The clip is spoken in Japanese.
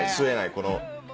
この。